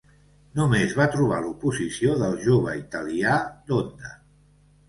Només va trobar l'oposició del jove italià d'Honda.